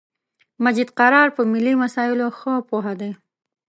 مجید قرار په ملی مسایلو خه پوهه دی